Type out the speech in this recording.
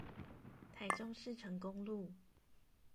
台中市成功路